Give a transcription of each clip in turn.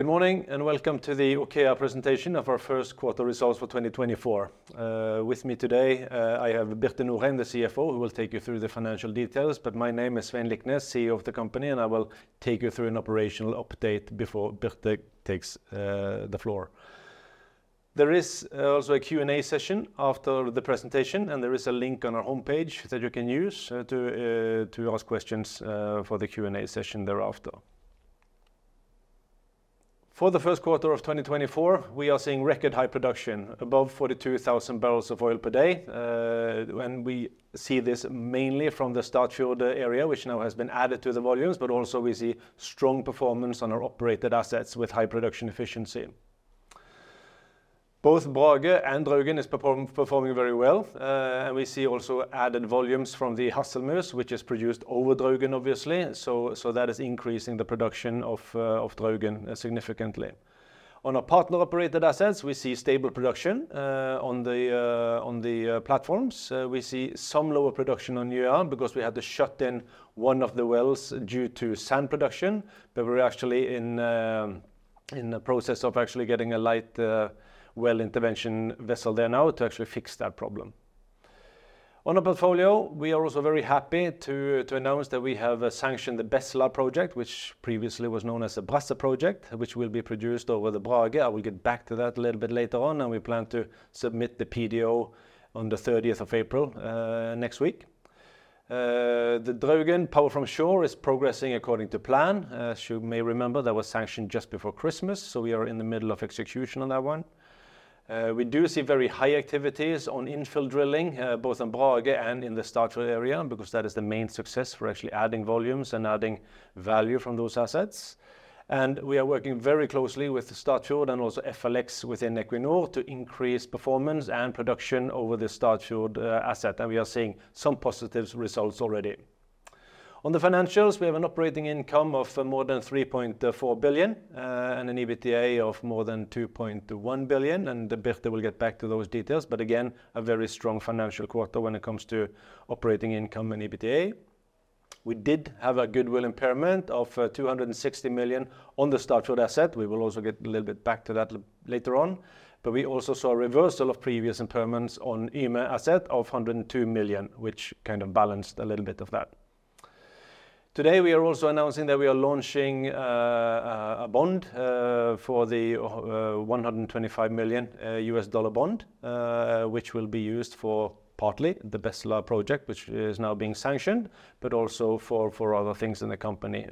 Good morning, and welcome to the OKEA presentation of our First Quarter Results for 2024. With me today, I have Birte Norheim, the CFO, who will take you through the financial details. But my name is Svein Liknes, CEO of the company, and I will take you through an operational update before Birte takes the floor. There is also a Q&A session after the presentation, and there is a link on our homepage that you can use to ask questions for the Q&A session thereafter. For the first quarter of 2024, we are seeing record high production, above 42,000 barrels of oil per day. When we see this mainly from the Statfjord area, which now has been added to the volumes, but also we see strong performance on our operated assets with high production efficiency. Both Brage and Draugen are performing very well. And we see also added volumes from the Hasselmus, which is produced over Draugen, obviously. So that is increasing the production of Draugen significantly. On our partner-operated assets, we see stable production on the platforms. We see some lower production on Ivar Aasen because we had to shut down one of the wells due to sand production, but we're actually in the process of actually getting a light well intervention vessel there now to actually fix that problem. On our portfolio, we are also very happy to announce that we have sanctioned the Bestla project, which previously was known as the Brasse project, which will be produced over the Brage. I will get back to that a little bit later on, and we plan to submit the PDO on the 30th of April next week. The Draugen Power from Shore is progressing according to plan. As you may remember, that was sanctioned just before Christmas, so we are in the middle of execution on that one. We do see very high activities on infill drilling both on Brage and in the Statfjord area, because that is the main success for actually adding volumes and adding value from those assets. And we are working very closely with Statfjord and also FLX within Equinor to increase performance and production over the Statfjord asset, and we are seeing some positive results already. On the financials, we have an operating income of more than 3.4 billion, and an EBITDA of more than 2.1 billion, and Birte will get back to those details. But again, a very strong financial quarter when it comes to operating income and EBITDA. We did have a goodwill impairment of 260 million on the Statfjord asset. We will also get a little bit back to that later on. But we also saw a reversal of previous impairments on Yme asset of 102 million, which kind of balanced a little bit of that. Today, we are also announcing that we are launching a bond for the $125 million US dollar bond, which will be used for partly the Bestla project, which is now being sanctioned, but also for other things in the company,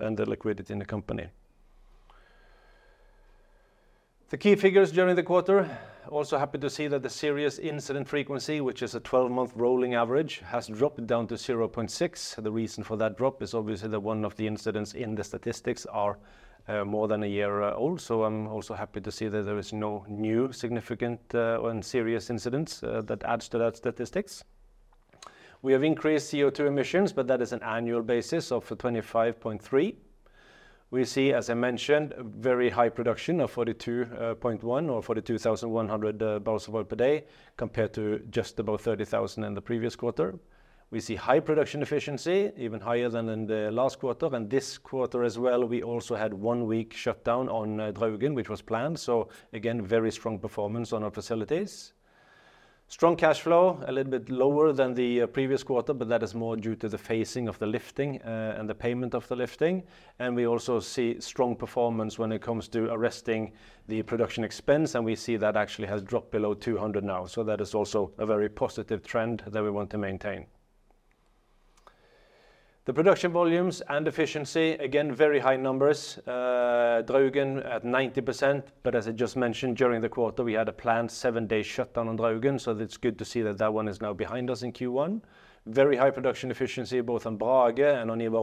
and the liquidity in the company. The key figures during the quarter. Also happy to see that the serious incident frequency, which is a twelve-month rolling average, has dropped down to 0.6. The reason for that drop is obviously that one of the incidents in the statistics are more than a year old. So I'm also happy to see that there is no new significant and serious incidents that adds to that statistics. We have increased CO₂ emissions, but that is an annual basis of 25.3. We see, as I mentioned, a very high production of 42.1 or 42,100 barrels of oil per day, compared to just above 30,000 in the previous quarter. We see high production efficiency, even higher than in the last quarter, and this quarter as well, we also had one week shutdown on Draugen, which was planned. So again, very strong performance on our facilities. Strong cash flow, a little bit lower than the previous quarter, but that is more due to the phasing of the lifting, and the payment of the lifting. We also see strong performance when it comes to arresting the production expense, and we see that actually has dropped below 200 now. So that is also a very positive trend that we want to maintain. The production volumes and efficiency, again, very high numbers. Draugen at 90%, but as I just mentioned, during the quarter, we had a planned seven-day shutdown on Draugen, so it's good to see that that one is now behind us in Q1. Very high production efficiency, both on Brage and on Ivar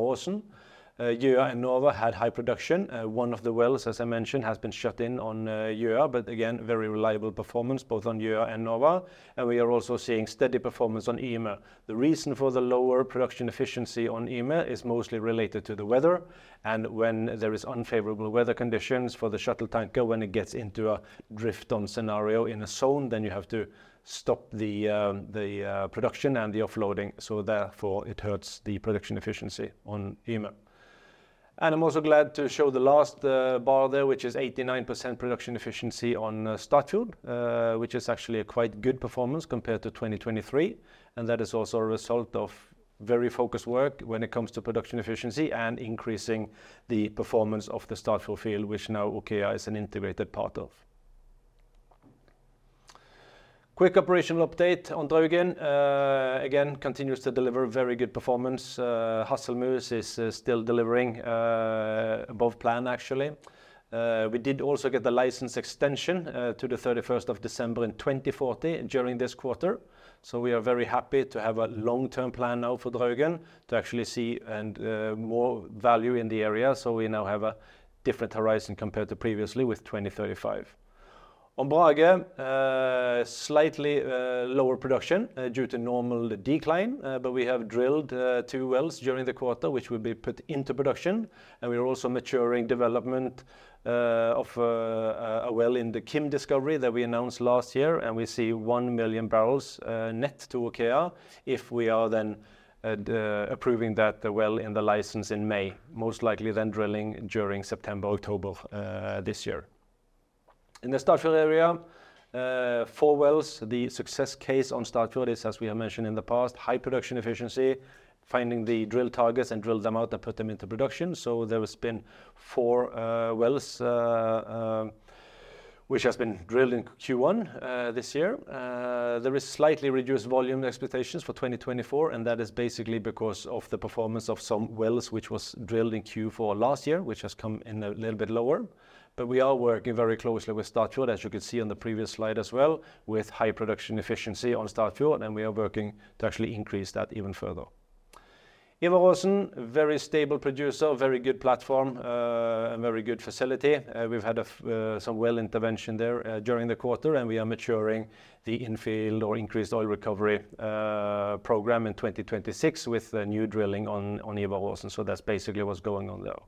Aasen. Yme and Nova had high production. One of the wells, as I mentioned, has been shut in on Ivar Aasen, but again, very reliable performance, both on Ivar Aasen and Nova. We are also seeing steady performance on Yme. The reason for the lower production efficiency on Yme is mostly related to the weather, and when there is unfavorable weather conditions for the shuttle tanker, when it gets into a drift-off scenario in a zone, then you have to stop the production and the offloading, so therefore it hurts the production efficiency on Yme. I'm also glad to show the last bar there, which is 89% production efficiency on Statfjord, which is actually a quite good performance compared to 2023, and that is also a result of very focused work when it comes to production efficiency and increasing the performance of the Statfjord field, which now OKEA is an integrated part of. Quick operational update on Draugen. Again, continues to deliver very good performance. Hasselmus is still delivering above plan, actually. We did also get the license extension to the 31st of December in 2040 during this quarter. So we are very happy to have a long-term plan now for Draugen to actually see and more value in the area. So we now have a different horizon compared to previously with 2035. On Brage, slightly lower production due to normal decline, but we have drilled two wells during the quarter, which will be put into production, and we are also maturing development of a well in the Kim discovery that we announced last year, and we see one million barrels net to OKEA if we are then approving that the well in the license in May, most likely then drilling during September, October this year. In the Statfjord area, four wells. The success case on Statfjord is, as we have mentioned in the past, high production efficiency, finding the drill targets and drill them out and put them into production. So there has been four wells which has been drilled in Q1 this year. There is slightly reduced volume expectations for 2024, and that is basically because of the performance of some wells which was drilled in Q4 last year, which has come in a little bit lower. But we are working very closely with Statfjord, as you can see on the previous slide as well, with high production efficiency on Statfjord, and we are working to actually increase that even further. Ivar Aasen, a very stable producer, very good platform, a very good facility. We've had some well intervention there during the quarter, and we are maturing the infill or increased oil recovery program in 2026 with the new drilling on Ivar Aasen, so that's basically what's going on there.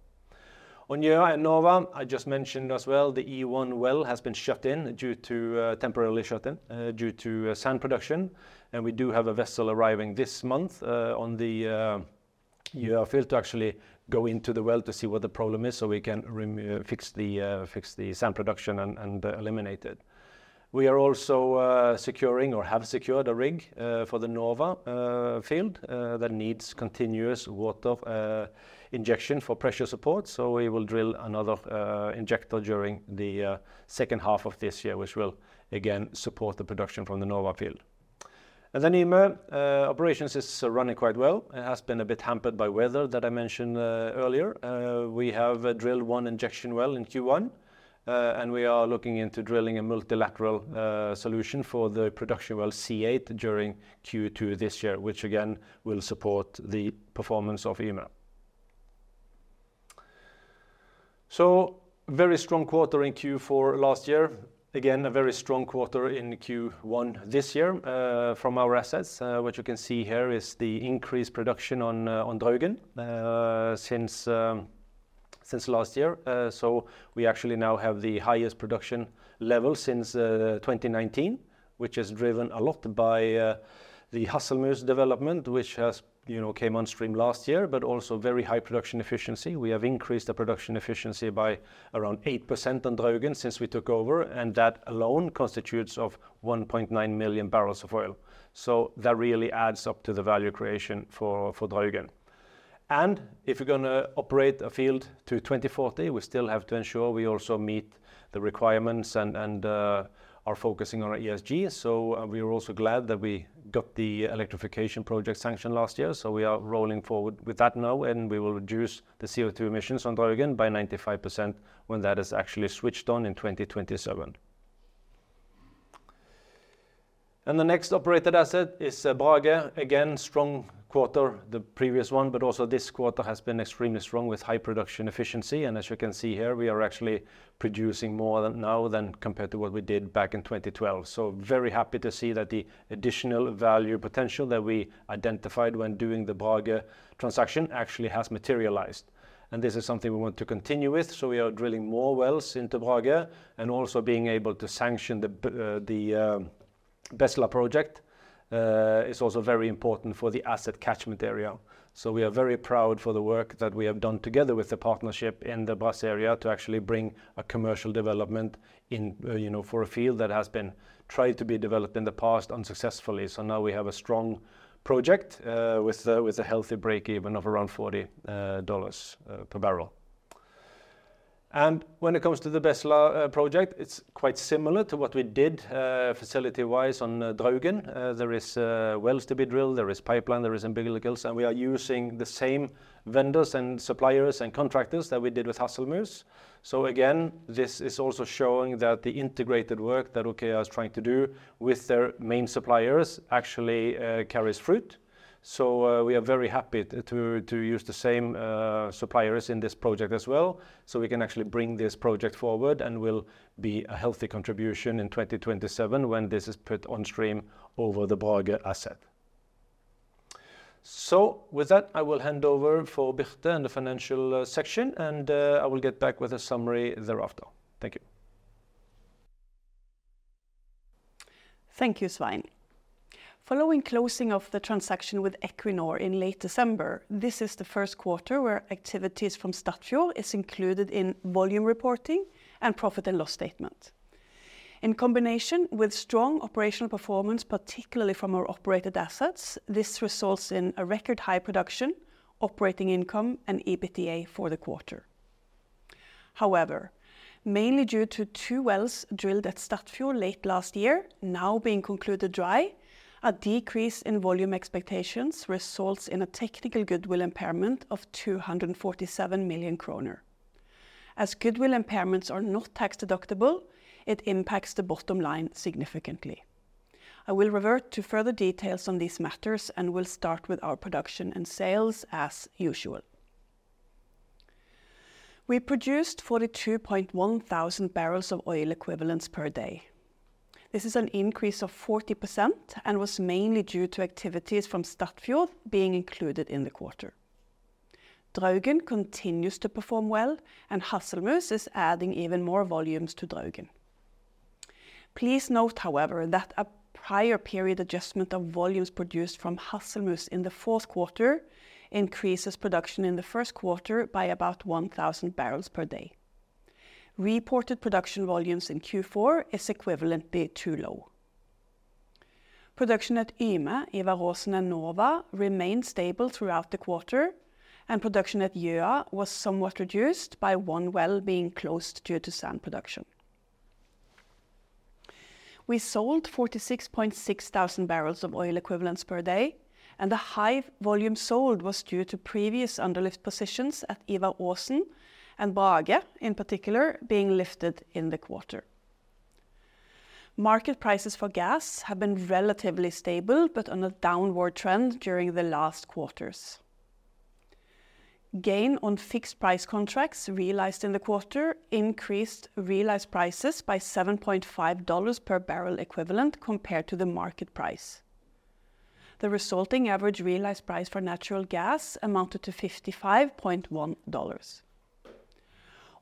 On Gjøa and Nova, I just mentioned as well, the E1 well has been temporarily shut in due to sand production, and we do have a vessel arriving this month on the Gjøa field to actually go into the well to see what the problem is so we can fix the sand production and eliminate it. We are also securing or have secured a rig for the Nova field that needs continuous water injection for pressure support. So we will drill another injector during the second half of this year, which will again support the production from the Nova field. And then Yme operations is running quite well. It has been a bit hampered by weather that I mentioned earlier. We have drilled one injection well in Q1, and we are looking into drilling a multilateral solution for the production well C8 during Q2 this year, which again will support the performance of Yme. So very strong quarter in Q4 last year. Again, a very strong quarter in Q1 this year from our assets. What you can see here is the increased production on Draugen since last year. So we actually now have the highest production level since 2019, which is driven a lot by the Hasselmus development, which has, you know, came on stream last year, but also very high production efficiency. We have increased the production efficiency by around 8% on Draugen since we took over, and that alone constitutes of 1.9 million barrels of oil. So that really adds up to the value creation for Draugen. And if you're gonna operate a field to 2040, we still have to ensure we also meet the requirements and are focusing on our ESG. So we are also glad that we got the electrification project sanctioned last year, so we are rolling forward with that now, and we will reduce the CO2 emissions on Draugen by 95% when that is actually switched on in 2027. And the next operated asset is Brage. Again, strong quarter, the previous one, but also this quarter has been extremely strong with high production efficiency. And as you can see here, we are actually producing more now than compared to what we did back in 2012. So very happy to see that the additional value potential that we identified when doing the Brage transaction actually has materialized, and this is something we want to continue with. So we are drilling more wells into Brage, and also being able to sanction the Bestla project is also very important for the asset catchment area. So we are very proud for the work that we have done together with the partnership in the Brasse area to actually bring a commercial development in, you know, for a field that has been tried to be developed in the past unsuccessfully. So now we have a strong project with a healthy break even of around $40 per barrel. And when it comes to the Bestla project, it's quite similar to what we did facility-wise on Draugen. There are wells to be drilled, there is pipeline, there is umbilicals, and we are using the same vendors and suppliers and contractors that we did with Hasselmus. So again, this is also showing that the integrated work that OKEA is trying to do with their main suppliers actually, carries fruit. So, we are very happy to, to use the same, suppliers in this project as well, so we can actually bring this project forward and will be a healthy contribution in 2027 when this is put on stream over the Brage asset. So with that, I will hand over for Birte in the financial, section, and, I will get back with a summary thereafter. Thank you. Thank you, Svein. Following closing of the transaction with Equinor in late December, this is the first quarter where activities from Statfjord is included in volume reporting and profit and loss statement. In combination with strong operational performance, particularly from our operated assets, this results in a record high production, operating income, and EBITDA for the quarter. However, mainly due to two wells drilled at Statfjord late last year, now being concluded dry, a decrease in volume expectations results in a technical goodwill impairment of 247 million kroner. As goodwill impairments are not tax deductible, it impacts the bottom line significantly. I will revert to further details on these matters and will start with our production and sales as usual. We produced 42.1 thousand barrels of oil equivalents per day. This is an increase of 40% and was mainly due to activities from Statfjord being included in the quarter. Draugen continues to perform well, and Hasselmus is adding even more volumes to Draugen. Please note, however, that a prior period adjustment of volumes produced from Hasselmus in the fourth quarter increases production in the first quarter by about 1,000 barrels per day. Reported production volumes in Q4 is equivalently too low. Production at Yme, Ivar Aasen, and Nova remained stable throughout the quarter, and production at Gjøa was somewhat reduced by one well being closed due to sand production. We sold 46.6 thousand barrels of oil equivalents per day, and the high volume sold was due to previous underlift positions at Ivar Aasen and Brage, in particular, being lifted in the quarter. Market prices for gas have been relatively stable, but on a downward trend during the last quarters. Gain on fixed price contracts realized in the quarter increased realized prices by $7.5 per barrel equivalent compared to the market price. The resulting average realized price for natural gas amounted to $55.1.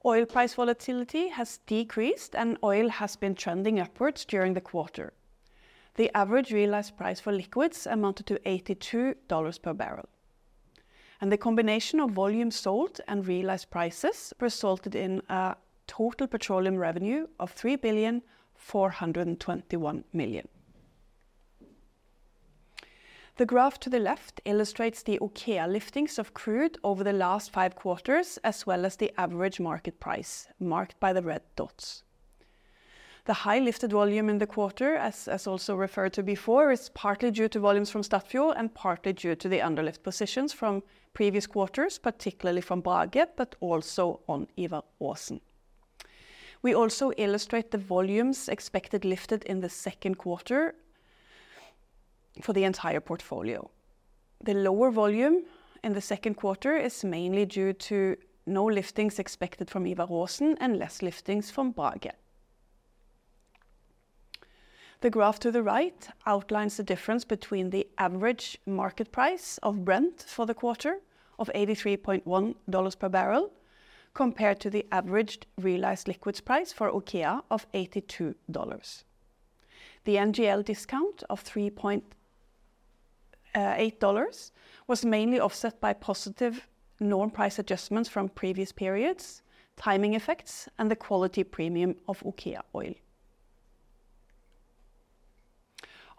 Oil price volatility has decreased, and oil has been trending upwards during the quarter. The average realized price for liquids amounted to $82 per barrel, and the combination of volume sold and realized prices resulted in a total petroleum revenue of 3,421 million. The graph to the left illustrates the OKEA liftings of crude over the last five quarters, as well as the average market price, marked by the red dots. The high lifted volume in the quarter, as, as also referred to before, is partly due to volumes from Statfjord and partly due to the underlift positions from previous quarters, particularly from Brage, but also on Ivar Aasen. We also illustrate the volumes expected lifted in the second quarter for the entire portfolio. The lower volume in the second quarter is mainly due to no liftings expected from Ivar Aasen and less liftings from Brage. The graph to the right outlines the difference between the average market price of Brent for the quarter of $83.1 per barrel, compared to the averaged realized liquids price for OKEA of $82. The NGL discount of $3.8 was mainly offset by positive non-price adjustments from previous periods, timing effects, and the quality premium of OKEA oil.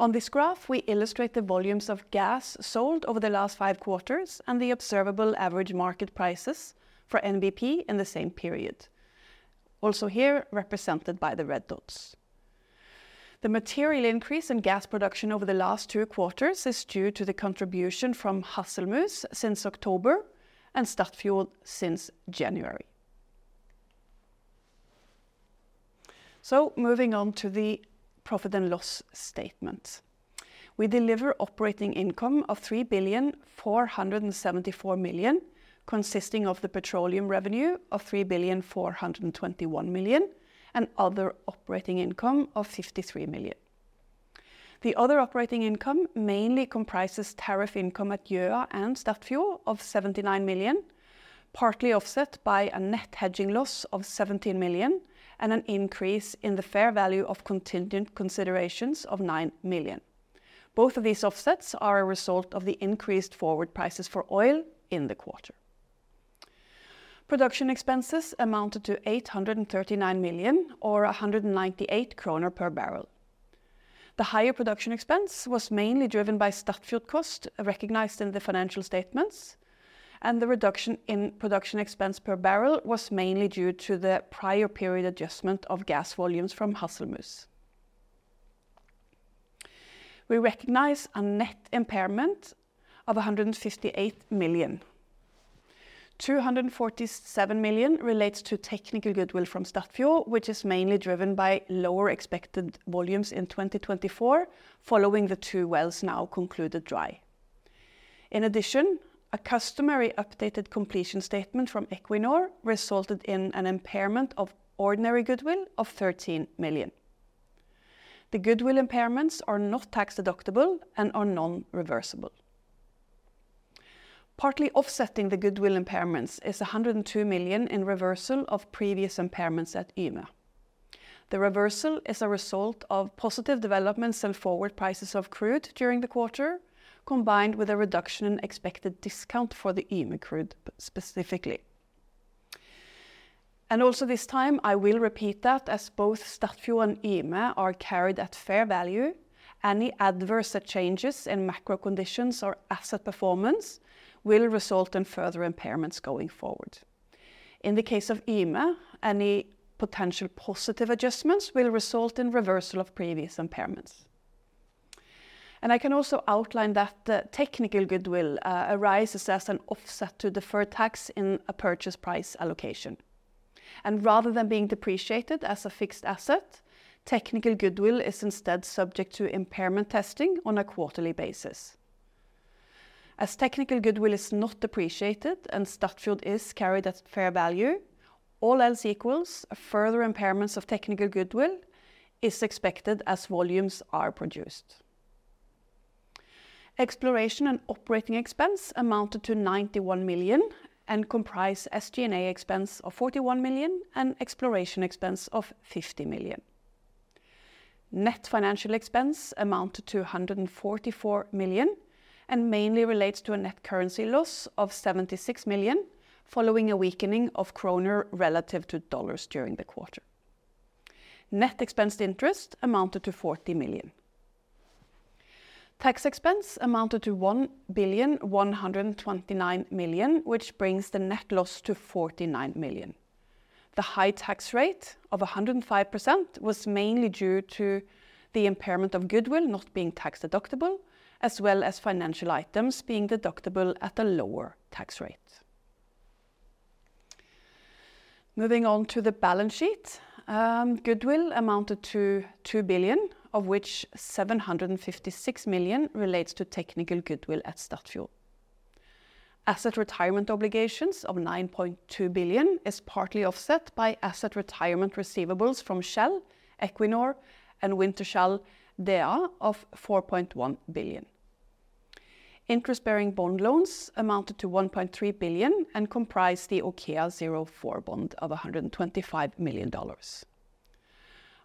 On this graph, we illustrate the volumes of gas sold over the last five quarters and the observable average market prices for NBP in the same period, also here represented by the red dots. The material increase in gas production over the last two quarters is due to the contribution from Hasselmus since October and Statfjord since January. Moving on to the profit and loss statement. We deliver operating income of 3,474 million, consisting of the petroleum revenue of 3,421 million and other operating income of 53 million. The other operating income mainly comprises tariff income at Gjøa and Statfjord of 79 million, partly offset by a net hedging loss of 17 million and an increase in the fair value of contingent considerations of 9 million. Both of these offsets are a result of the increased forward prices for oil in the quarter. Production expenses amounted to 839 million or 198 kroner per barrel. The higher production expense was mainly driven by Statfjord cost, recognized in the financial statements, and the reduction in production expense per barrel was mainly due to the prior period adjustment of gas volumes from Hasselmus. We recognize a net impairment of 158 million. 247 million relates to technical goodwill from Statfjord, which is mainly driven by lower expected volumes in 2024, following the two wells now concluded dry. In addition, a customary updated completion statement from Equinor resulted in an impairment of ordinary goodwill of 13 million. The goodwill impairments are not tax deductible and are non-reversible. Partly offsetting the goodwill impairments is 102 million in reversal of previous impairments at Yme. The reversal is a result of positive developments and forward prices of crude during the quarter, combined with a reduction in expected discount for the Yme crude, specifically. Also this time, I will repeat that as both Statfjord and Yme are carried at fair value, any adverse changes in macro conditions or asset performance will result in further impairments going forward. In the case of Yme, any potential positive adjustments will result in reversal of previous impairments. I can also outline that the technical goodwill arises as an offset to deferred tax in a purchase price allocation. Rather than being depreciated as a fixed asset, technical goodwill is instead subject to impairment testing on a quarterly basis. As technical goodwill is not depreciated and Statfjord is carried at fair value, all else equals further impairments of technical goodwill is expected as volumes are produced. Exploration and operating expense amounted to 91 million and comprise SG&A expense of 41 million and exploration expense of 50 million. Net financial expense amounted to 144 million, and mainly relates to a net currency loss of 76 million, following a weakening of kroner relative to dollars during the quarter. Net expense interest amounted to 40 million. Tax expense amounted to 1,129 million, which brings the net loss to 49 million. The high tax rate of 105% was mainly due to the impairment of goodwill not being tax deductible, as well as financial items being deductible at a lower tax rate. Moving on to the balance sheet, goodwill amounted to 2 billion, of which 756 million relates to technical goodwill at Statfjord. Asset retirement obligations of 9.2 billion is partly offset by asset retirement receivables from Shell, Equinor, and Wintershall Dea of 4.1 billion. Interest-bearing bond loans amounted to 1.3 billion and comprised the OKEA 04 bond of $125 million.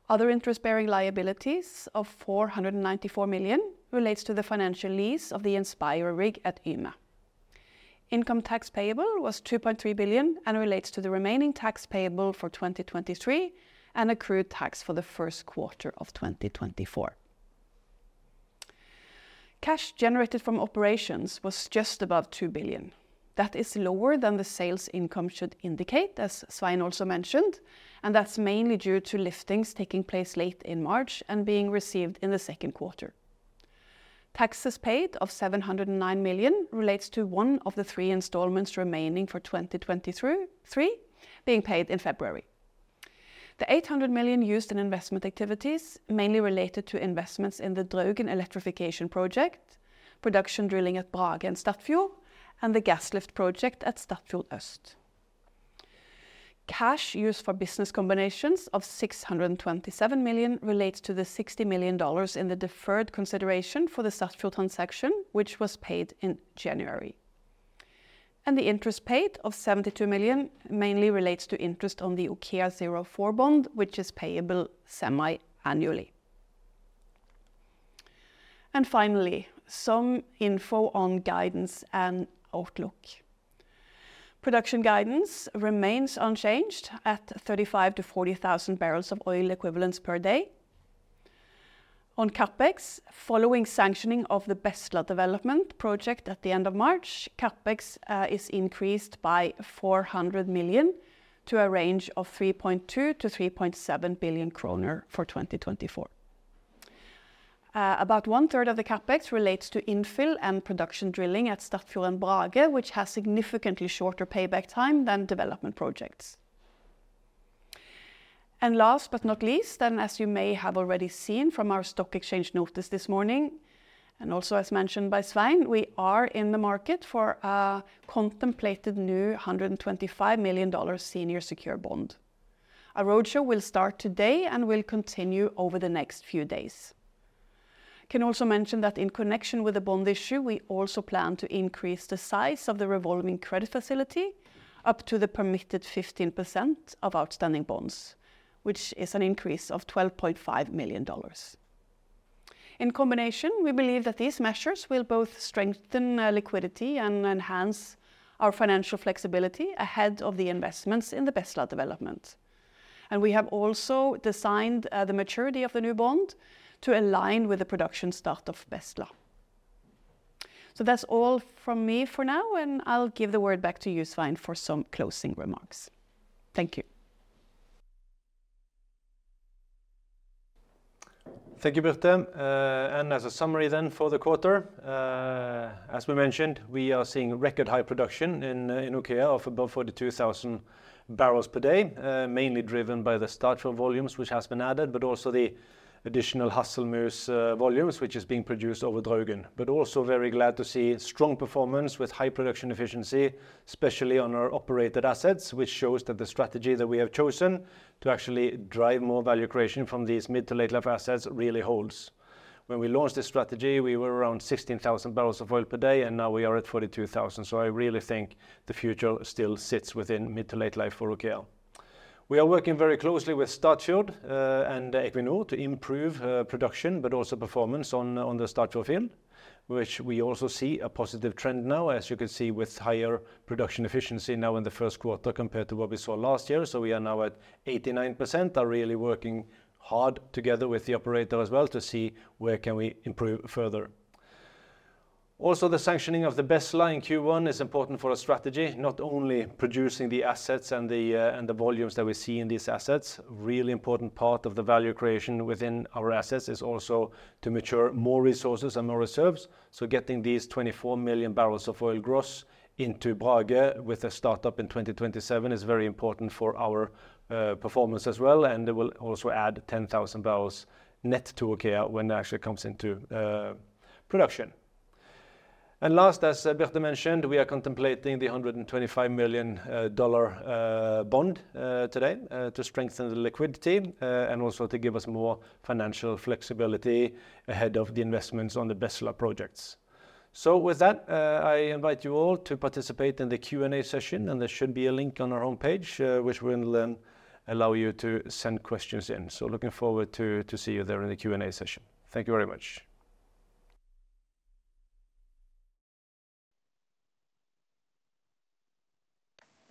Other interest-bearing liabilities of 494 million relates to the financial lease of the Inspirer rig at Yme. Income tax payable was 2.3 billion and relates to the remaining tax payable for 2023, and accrued tax for the first quarter of 2024. Cash generated from operations was just above 2 billion. That is lower than the sales income should indicate, as Svein also mentioned, and that's mainly due to liftings taking place late in March and being received in the second quarter. Taxes paid of 709 million relates to one of the three installments remaining for 2023, three, being paid in February. The 800 million used in investment activities mainly related to investments in the Draugen Electrification Project, production drilling at Brage and Statfjord, and the Gas Lift project at Statfjord East. Cash used for business combinations of 627 million relates to the $60 million in the deferred consideration for the Statfjord transaction, which was paid in January. And the interest paid of 72 million mainly relates to interest on the OKEA 04 bond, which is payable semi-annually. And finally, some info on guidance and outlook. Production guidance remains unchanged at 35,000-40,000 barrels of oil equivalents per day. On CapEx, following sanctioning of the Bestla development project at the end of March, CapEx is increased by 400 million to a range of 3.2 billion-3.7 billion kroner for 2024. About one-third of the CapEx relates to infill and production drilling at Statfjord and Brage, which has significantly shorter payback time than development projects. And last but not least, and as you may have already seen from our stock exchange notice this morning, and also as mentioned by Svein, we are in the market for a contemplated new $125 million senior secured bond. A roadshow will start today and will continue over the next few days. Can also mention that in connection with the bond issue, we also plan to increase the size of the revolving credit facility up to the permitted 15% of outstanding bonds, which is an increase of $12.5 million. In combination, we believe that these measures will both strengthen liquidity and enhance our financial flexibility ahead of the investments in the Bestla development. We have also designed the maturity of the new bond to align with the production start of Bestla. That's all from me for now, and I'll give the word back to you, Svein, for some closing remarks. Thank you. Thank you, Birte. And as a summary then for the quarter, as we mentioned, we are seeing record high production in OKEA of above 42,000 barrels per day. Mainly driven by the Statfjord volumes, which has been added, but also the additional Hasselmus volumes, which is being produced over Draugen. But also very glad to see strong performance with high production efficiency, especially on our operated assets, which shows that the strategy that we have chosen to actually drive more value creation from these mid to late life assets really holds. When we launched this strategy, we were around 16,000 barrels of oil per day, and now we are at 42,000. So I really think the future still sits within mid to late life for OKEA. We are working very closely with Statfjord, and Equinor to improve, production, but also performance on the Statfjord field, which we also see a positive trend now, as you can see, with higher production efficiency now in the first quarter compared to what we saw last year. So we are now at 89%, are really working hard together with the operator as well, to see where can we improve further. Also, the sanctioning of the Bestla in Q1 is important for our strategy, not only producing the assets and the, and the volumes that we see in these assets. Really important part of the value creation within our assets is also to mature more resources and more reserves. So getting these 24 million barrels of oil gross into Brage with a startup in 2027 is very important for our performance as well, and it will also add 10,000 barrels net to OKEA when it actually comes into production. Last, as Birte mentioned, we are contemplating the $125 million bond today to strengthen the liquidity and also to give us more financial flexibility ahead of the investments on the Bestla projects. With that, I invite you all to participate in the Q&A session, and there should be a link on our homepage which will then allow you to send questions in. Looking forward to see you there in the Q&A session. Thank you very much.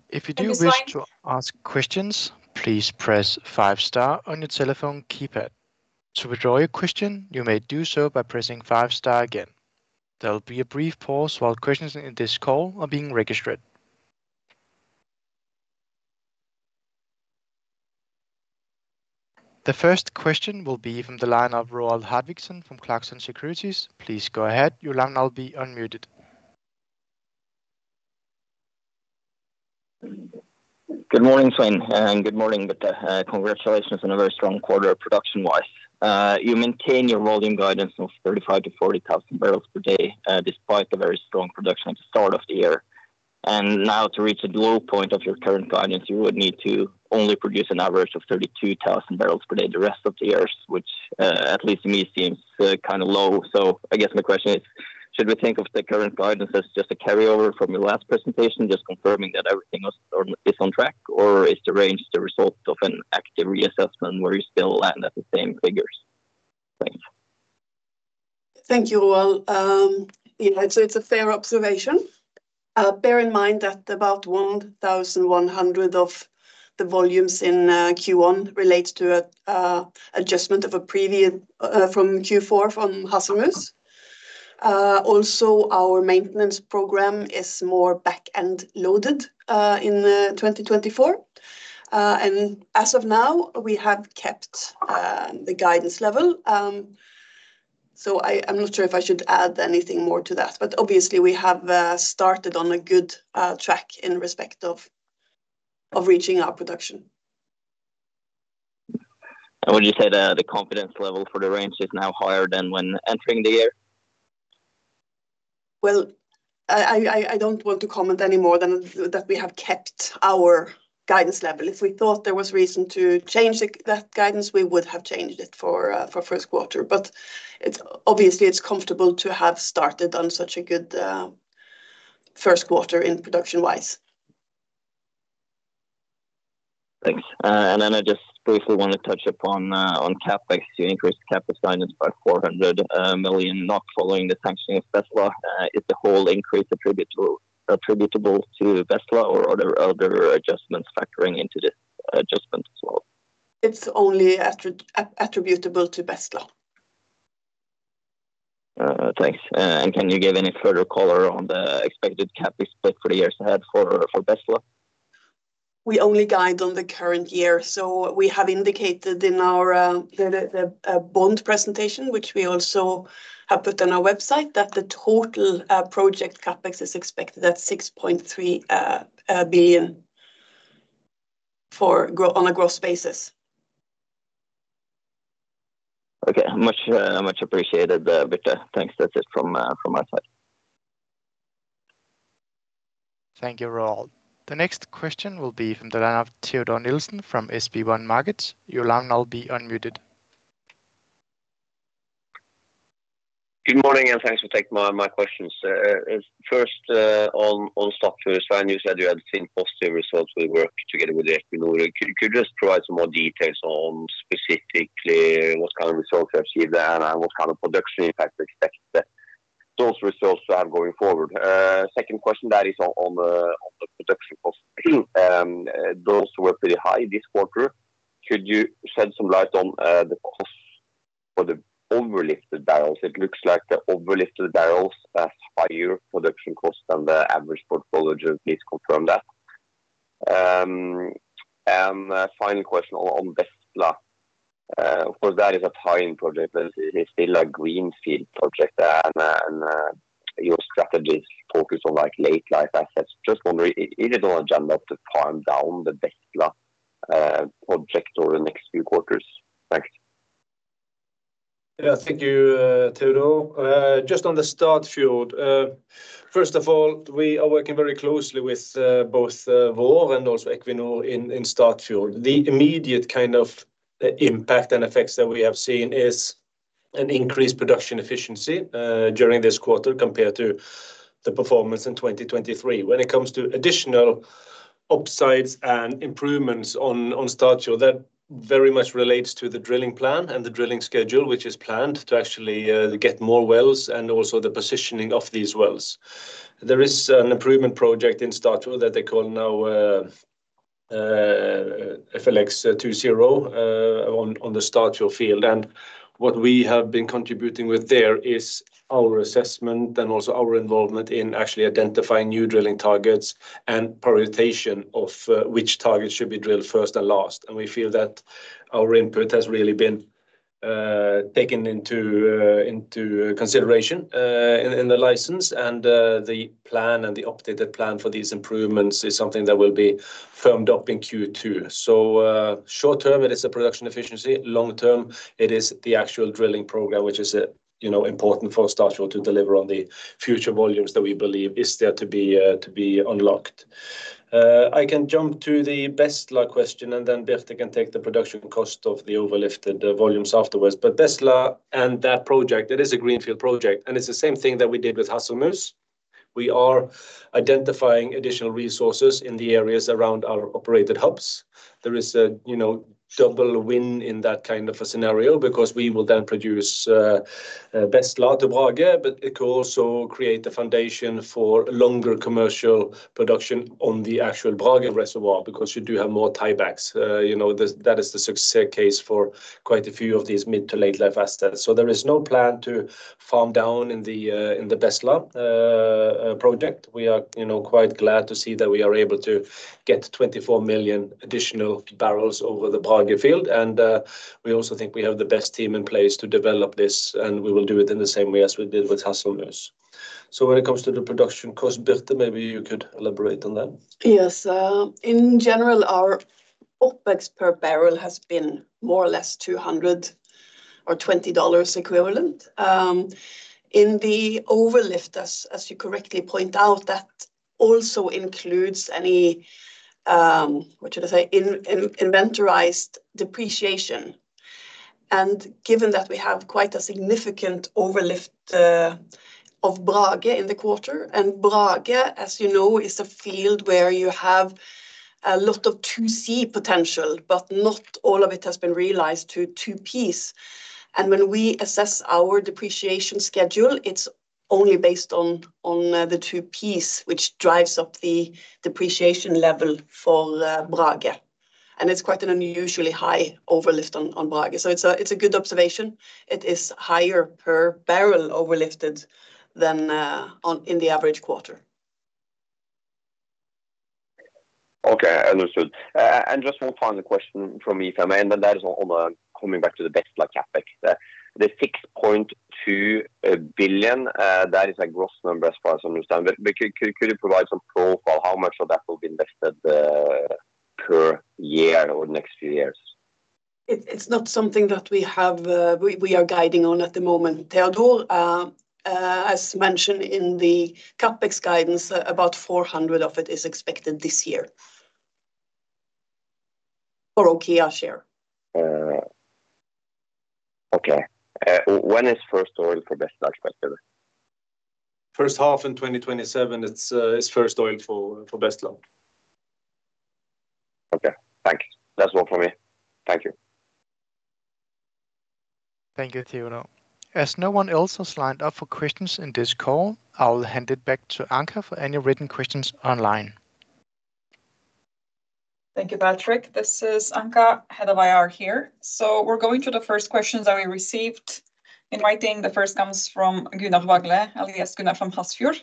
If you do wish to ask questions, please press five star on your telephone keypad. To withdraw your question, you may do so by pressing five star again. There will be a brief pause while questions in this call are being registered. The first question will be from the line of Roald Hartvigsen from Clarkson Securities. Please go ahead. Your line will now be unmuted. Good morning, Svein, and good morning, Birte. Congratulations on a very strong quarter production-wise. You maintain your volume guidance of 35,000-40,000 barrels per day, despite a very strong production at the start of the year. And now to reach the low point of your current guidance, you would need to only produce an average of 32,000 barrels per day the rest of the years, which, at least to me, seems kind of low. So I guess my question is: Should we think of the current guidance as just a carryover from your last presentation, just confirming that everything is on, is on track, or is the range the result of an active reassessment where you still land at the same figures? Thanks. Thank you, Roald. Yeah, so it's a fair observation. Bear in mind that about 1,100 of the volumes in Q1 relates to an adjustment of a previous from Q4 from Hasselmus. Also, our maintenance program is more back-end loaded in 2024. And as of now, we have kept the guidance level. So, I'm not sure if I should add anything more to that, but obviously, we have started on a good track in respect of reaching our production. Would you say the confidence level for the range is now higher than when entering the year? Well, I don't want to comment any more than that we have kept our guidance level. If we thought there was reason to change that guidance, we would have changed it for first quarter. But it's obviously comfortable to have started on such a good first quarter in production-wise. Thanks. Then I just briefly want to touch upon on CapEx. You increased the CapEx guidance by 400 million, now following the sanctioning of Bestla. Is the whole increase attributable, attributable to Bestla, or are there other adjustments factoring into this adjustment as well? It's only attributable to Bestla. Thanks. Can you give any further color on the expected CapEx split for the years ahead for Bestla? We only guide on the current year, so we have indicated in our bond presentation, which we also have put on our website, that the total project CapEx is expected at 6.3 billion on a growth basis. Okay. Much, much appreciated, Birte. Thanks. That's it from, from my side. Thank you, Roald. The next question will be from the line of Teodor Sveen-Nilsen from SB1 Markets. Your line will now be unmuted. Good morning, and thanks for taking my questions. First, on Statfjord, you said you had seen positive results with work together with Equinor. Could you just provide some more details on specifically what kind of results you have seen there and what kind of production impact you expect those results to have going forward? Second question, that is on the production cost. Those were pretty high this quarter. Could you shed some light on the cost for the overlifted barrels? It looks like the overlifted barrels has higher production cost than the average portfolio. Just please confirm that. And final question on Bestla. Of course, that is a fine project, but it's still a greenfield project, and your strategies focus on, like, late life assets. Just wondering, is it on agenda to tone down the Bestla project over the next few quarters? Thanks. Yeah, thank you, Teodor. Just on the Statfjord field, first of all, we are working very closely with both Vår and also Equinor in Statfjord. The immediate kind of impact and effects that we have seen is an increased production efficiency during this quarter, compared to the performance in 2023. When it comes to additional upsides and improvements on Statfjord, that very much relates to the drilling plan and the drilling schedule, which is planned to actually get more wells and also the positioning of these wells. There is an improvement project in Statfjord that they call now FLX 20 on Statfjord. What we have been contributing with there is our assessment and also our involvement in actually identifying new drilling targets and prioritization of which targets should be drilled first and last. We feel that our input has really been taken into consideration in the license. The plan and the updated plan for these improvements is something that will be firmed up in Q2. Short term, it is a production efficiency. Long term, it is the actual drilling program, which is, you know, important for Statfjord to deliver on the future volumes that we believe is there to be unlocked. I can jump to the Bestla question, and then Birte can take the production cost of the overlifted volumes afterwards. But Bestla and that project, it is a greenfield project, and it's the same thing that we did with Hasselmus. We are identifying additional resources in the areas around our operated hubs. There is a, you know, double win in that kind of a scenario, because we will then produce Bestla to Brage, but it could also create a foundation for longer commercial production on the actual Brage reservoir, because you do have more tiebacks. You know, that is the success case for quite a few of these mid to late life assets. So there is no plan to farm down in the, in the Bestla project. We are quite glad to see that we are able to get 24 million additional barrels over the Brage field, and we also think we have the best team in place to develop this, and we will do it in the same way as we did with Hasselmus. So when it comes to the production cost, Birte, maybe you could elaborate on that. Yes. In general, our OPEX per barrel has been more or less $200 or $20 equivalent. In the overlift, as you correctly point out, that also includes any, what should I say? Inventoried depreciation. And given that we have quite a significant overlift of Brage in the quarter, and Brage, as you know, is a field where you have a lot of 2C potential, but not all of it has been realized to 2Ps. And when we assess our depreciation schedule, it's only based on the 2Ps, which drives up the depreciation level for Brage, and it's quite an unusually high overlift on Brage. So it's a good observation. It is higher per barrel overlifted than in the average quarter. Okay, understood. And just one final question from me if I may, and then that is on coming back to the Bestla CapEx. The 6.2 billion, that is a gross number, as far as I understand. But could you provide some profile, how much of that will be invested per year or next few years? It's not something that we have; we are guiding on at the moment, Teodor. As mentioned in the CapEx guidance, about 400 of it is expected this year for OKEA's share. Okay. When is first oil for Bestla expected? First half in 2027 is first oil for Bestla. Okay, thank you. That's all from me. Thank you. Thank you, Teodor. As no one else has signed up for questions in this call, I will hand it back to Anca for any written questions online. Thank you, Patrick. This is Anca, head of IR here. So we're going to the first questions that we received. In writing, the first comes from Gunnar Wagle, alias Gunnar from Hafrsfjord.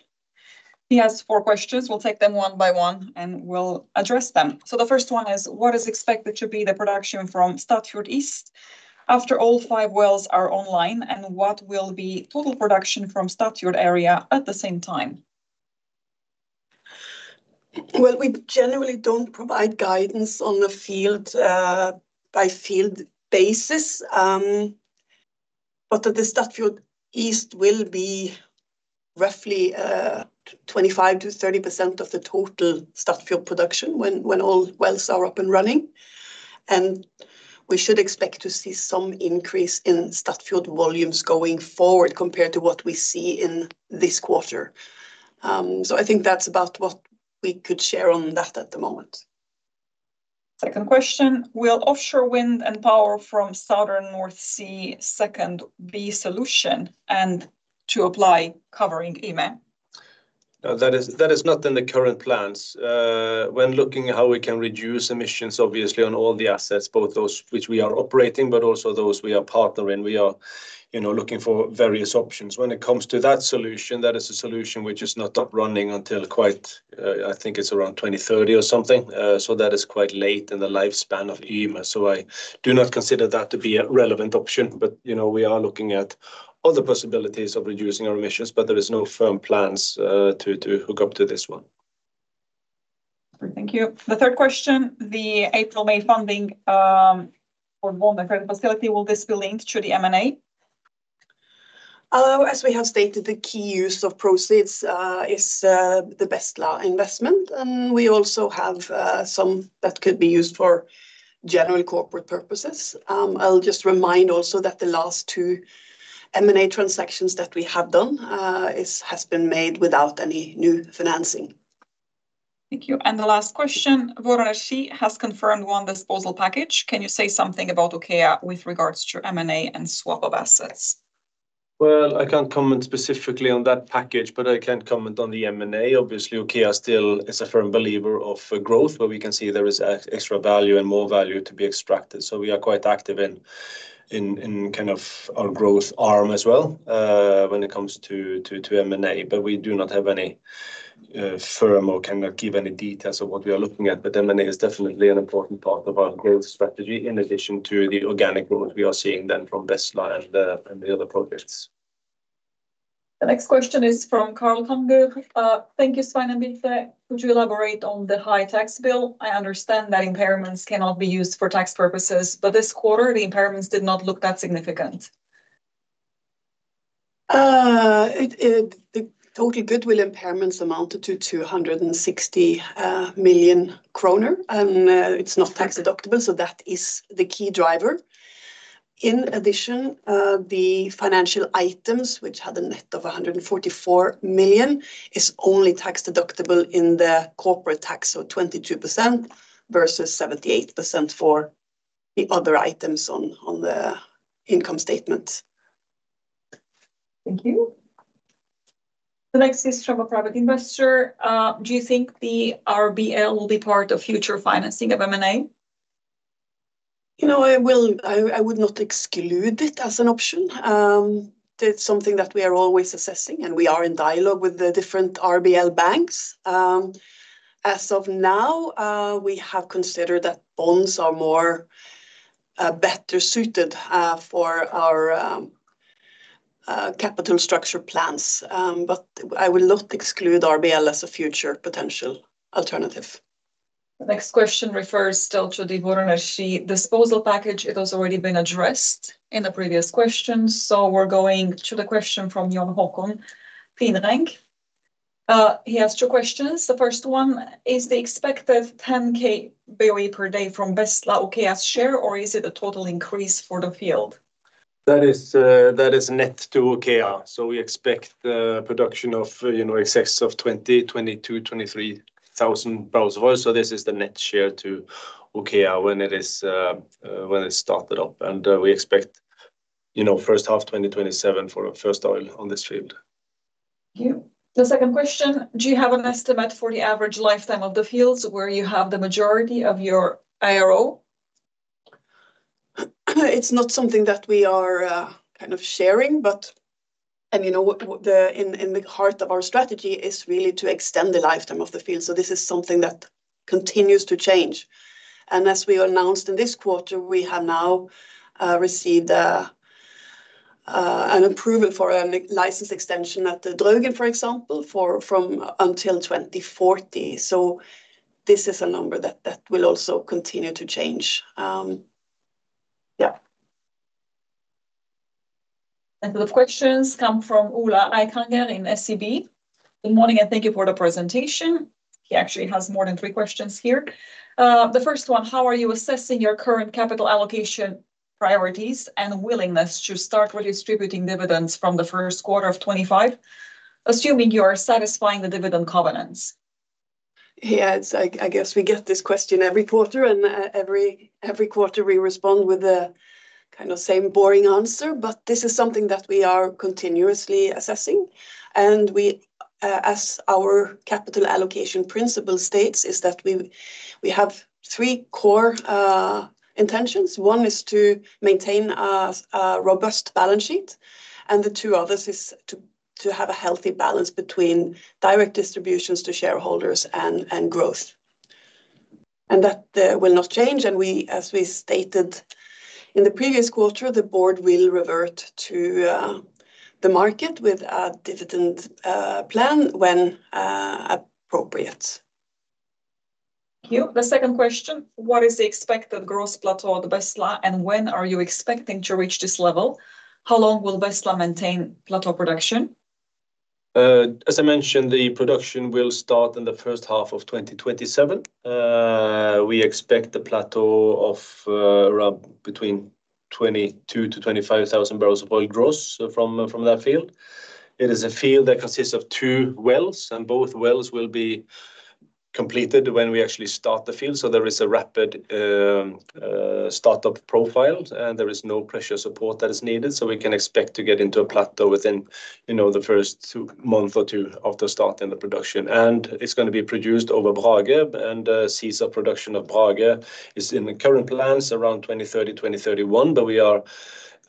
He has four questions. We'll take them one by one, and we'll address them. So the first one is, what is expected to be the production from Statfjord East after all five wells are online, and what will be total production from Statfjord area at the same time? Well, we generally don't provide guidance on the field, by field basis, but the Statfjord Øst will be roughly 25%-30% of the total Statfjord production when, when all wells are up and running, and we should expect to see some increase in Statfjord volumes going forward, compared to what we see in this quarter. So I think that's about what we could share on that at the moment. Second question, will offshore wind and power from southern North Sea shore be solution and to apply covering Yme? No, that is, that is not in the current plans. When looking at how we can reduce emissions, obviously on all the assets, both those which we are operating, but also those we are partnering, we are, you know, looking for various options. When it comes to that solution, that is a solution which is not up running until quite, I think it's around 2030 or something. So that is quite late in the lifespan of Yme, so I do not consider that to be a relevant option. But, you know, we are looking at other possibilities of reducing our emissions, but there is no firm plans, to, to hook up to this one. Thank you. The third question, the April, May funding, for bond for the facility, will this be linked to the M&A? As we have stated, the key use of proceeds is the Bestla investment, and we also have some that could be used for general corporate purposes. I'll just remind also that the last two M&A transactions that we have done is, has been made without any new financing. Thank you. The last question. Vår Energi has confirmed one disposal package. Can you say something about OKEA with regards to M&A and swap of assets? Well, I can't comment specifically on that package, but I can comment on the M&A. Obviously, OKEA still is a firm believer of growth, where we can see there is extra value and more value to be extracted. So we are quite active in kind of our growth arm as well, when it comes to M&A, but we do not have any firm or cannot give any details of what we are looking at. But M&A is definitely an important part of our growth strategy, in addition to the organic growth we are seeing then from Bestla and the other projects. The next question is from Carl Tongu. "Thank you, Svein and Birte. Could you elaborate on the high tax bill? I understand that impairments cannot be used for tax purposes, but this quarter, the impairments did not look that significant". The total goodwill impairments amounted to 260 million kroner, and it's not tax deductible, so that is the key driver. In addition, the financial items, which had a net of 144 million, is only tax deductible in the corporate tax, so 22% versus 78% for the other items on the income statement. Thank you. The next is from a private investor. Do you think the RBL will be part of future financing of M&A? You know, I would not exclude it as an option. That's something that we are always assessing, and we are in dialogue with the different RBL banks. As of now, we have considered that bonds are more better suited for our capital structure plans. But I will not exclude RBL as a future potential alternative. The next question refers still to the Vår Energi disposal package. It has already been addressed in the previous question, so we're going to the question from Jon Håkon Finrank. He has two questions. The first one, is the expected 10,000 BOE per day from Bestla OKEA's share, or is it a total increase for the field? That is, that is net to OKEA. So we expect production of, you know, excess of 22,000-23,000 barrels of oil. So this is the net share to OKEA when it is, when it started up. And we expect, you know, first half of 2027 for our first oil on this field. Thank you. The second question, do you have an estimate for the average lifetime of the fields where you have the majority of your ARO? It's not something that we are, kind of, sharing, but in the heart of our strategy is really to extend the lifetime of the field, so this is something that continues to change. And as we announced in this quarter, we have now received an approval for a license extension at the Draugen, for example, from until 2040. So this is a number that will also continue to change. Yeah. The questions come from Ola Eikanger in SCB. Good morning, and thank you for the presentation. He actually has more than three questions here. The first one, how are you assessing your current capital allocation priorities and willingness to start redistributing dividends from the first quarter of 2025, assuming you are satisfying the dividend covenants? Yes, I guess we get this question every quarter, and every quarter we respond with the kind of same boring answer. But this is something that we are continuously assessing, and as our capital allocation principle states, is that we have three core intentions. One is to maintain a robust balance sheet, and the two others is to have a healthy balance between direct distributions to shareholders and growth. And that will not change, and we, as we stated in the previous quarter, the board will revert to the market with a dividend plan when appropriate. Thank you. The second question: What is the expected gross plateau at Bestla, and when are you expecting to reach this level? How long will Bestla maintain plateau production? As I mentioned, the production will start in the first half of 2027. We expect a plateau of around between 22,000-25,000 barrels of oil gross from that field. It is a field that consists of two wells, and both wells will be completed when we actually start the field, so there is a rapid startup profile, and there is no pressure support that is needed, so we can expect to get into a plateau within, you know, the first two month or two of the start in the production. And it's gonna be produced over Brage, and cease of production of Brage is in the current plans, around 2030-2031, but we are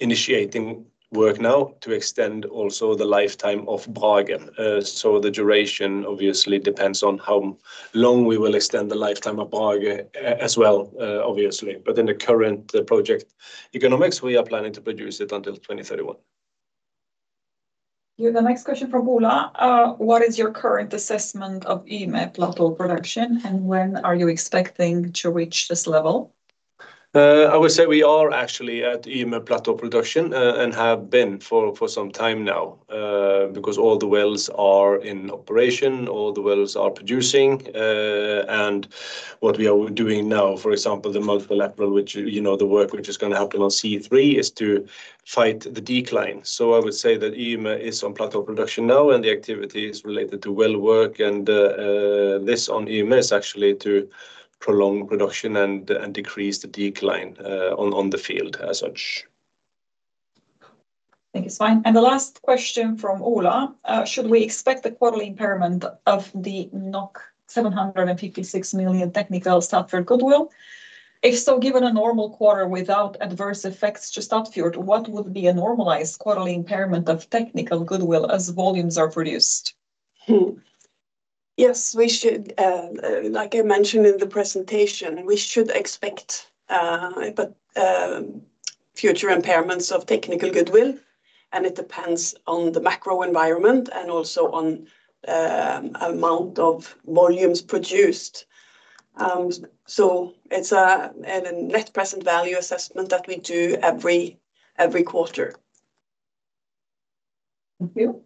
initiating work now to extend also the lifetime of Brage. So the duration obviously depends on how long we will extend the lifetime of Brage as well, obviously. But in the current project economics, we are planning to produce it until 2031. You have the next question from Ola. What is your current assessment of Yme Plateau Production, and when are you expecting to reach this level? I would say we are actually at Yme Plateau Production, and have been for some time now, because all the wells are in operation, all the wells are producing. And what we are doing now, for example, the multiple lateral, which, you know, the work which is gonna happen on C3, is to fight the decline. So I would say that Yme is on Plateau Production now, and the activity is related to well work, and this on Yme is actually to prolong production and decrease the decline on the field as such. Thank you, Svein. The last question from Ola. Should we expect the quarterly impairment of the 756 million technical Statfjord goodwill? If so, given a normal quarter without adverse effects to Statfjord, what would be a normalized quarterly impairment of technical goodwill as volumes are produced? Yes, we should, like I mentioned in the presentation, we should expect future impairments of technical goodwill, and it depends on the macro environment and also on amount of volumes produced. So it's a net present value assessment that we do every quarter. Thank you.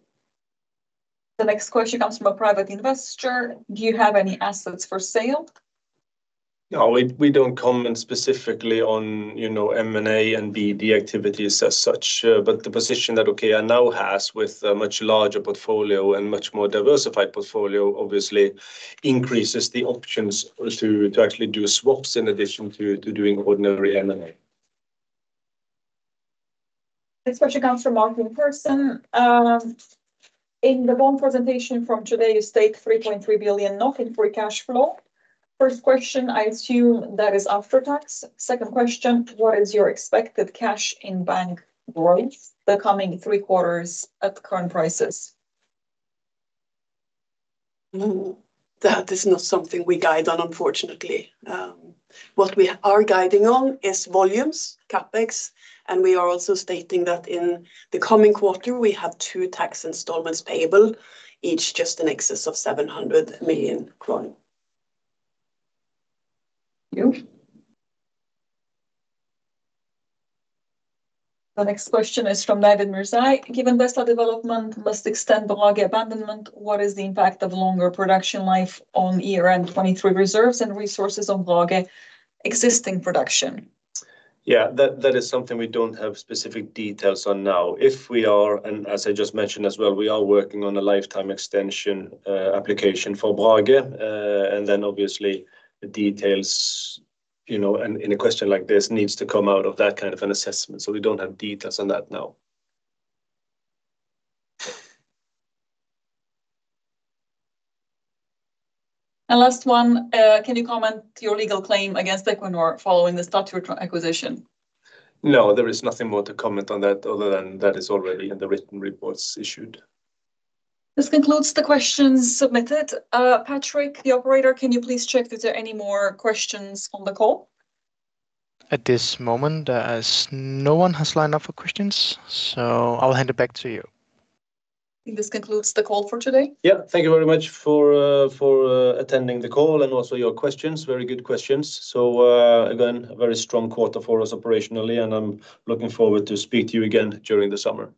The next question comes from a private investor. Do you have any assets for sale? No, we don't comment specifically on, you know, M&A and BD activities as such. But the position that OKEA now has with a much larger portfolio and much more diversified portfolio obviously increases the options to actually do swaps in addition to doing ordinary M&A. This question comes from Martin Persson. In the bond presentation from today, you state 3.3 billion in free cash flow. First question, I assume that is after tax. Second question, what is your expected cash in bank growth the coming three quarters at the current prices? That is not something we guide on, unfortunately. What we are guiding on is volumes, CapEx, and we are also stating that in the coming quarter, we have two tax installments payable, each just in excess of 700 million. Thank you. The next question is from David Mirzai. Given Bestla development must extend the Brage abandonment, what is the impact of longer production life on year-end 2023 reserves and resources on Brage existing production? Yeah, that is something we don't have specific details on now. If we are, and as I just mentioned as well, we are working on a lifetime extension application for Brage. And then, obviously, the details, you know, and in a question like this, needs to come out of that kind of an assessment, so we don't have details on that now. Last one, can you comment your legal claim against Equinor following the Statoil acquisition? No, there is nothing more to comment on that, other than that is already in the written reports issued. This concludes the questions submitted. Patrick, the operator, can you please check if there are any more questions on the call? At this moment, there is no one has signed up for questions, so I'll hand it back to you. This concludes the call for today. Yeah. Thank you very much for attending the call and also your questions. Very good questions. So, again, a very strong quarter for us operationally, and I'm looking forward to speak to you again during the summer.